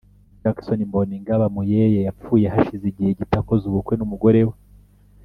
Jackson Mbonigaba Muyeye yapfuye hashize igihe gito akoze ubukwe n’umugore we